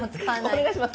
お願いします